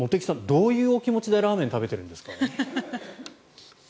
どういうお気持ちでラーメンを食べているんですか。